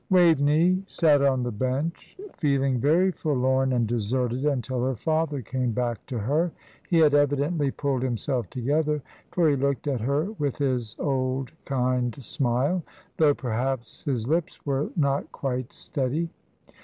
Waveney sat on the bench feeling very forlorn and deserted until her father came back to her. He had evidently pulled himself together, for he looked at her with his old kind smile, though perhaps his lips were not quite steady.